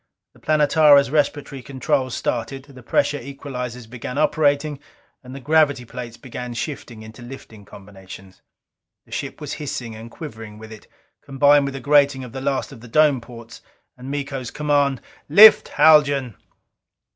The Planetara's respiratory controls started; the pressure equalizers began operating; and the gravity plates began shifting into lifting combinations. The ship was hissing and quivering with it, combined with the grating of the last of the dome ports. And Miko's command: "Lift, Haljan!"